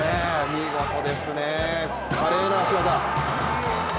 見事ですね、華麗な足技。